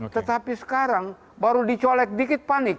tetapi sekarang baru dicolek dikit panik